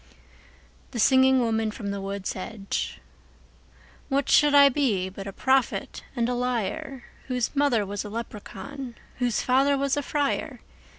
The Singing Woman from the Wood's Edge WHAT should I be but a prophet and a liar, Whose mother was a leprechaun, whose father was a friar?